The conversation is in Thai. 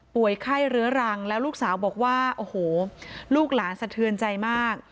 ไข้เรื้อรังแล้วลูกสาวบอกว่าโอ้โหลูกหลานสะเทือนใจมาก